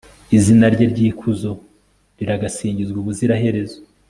izina rye ry'ikuzo riragasingizwa ubuziraherezo